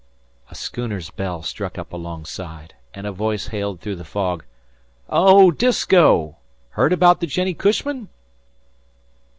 A schooner's bell struck up alongside, and a voice hailed through the fog: "O Disko! 'Heard abaout the Jennie Cushman?"